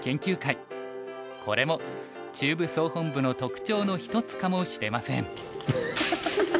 これも中部総本部の特徴の一つかもしれません。